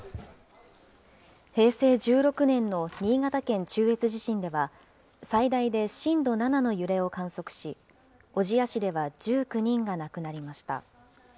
平成１６年の新潟県中越地震では、最大で震度７の揺れを観測し、小千谷市では１９人が亡くなりました。